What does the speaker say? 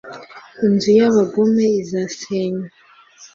inzu y'abagome izasenywa